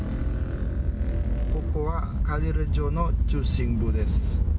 ここはカリレジョの中心部です。